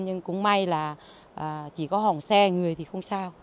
nhưng cũng may là chỉ có hỏng xe người thì không sao